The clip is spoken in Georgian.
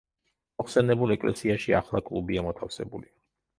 მოხსენებულ ეკლესიაში ახლა კლუბია მოთავსებული.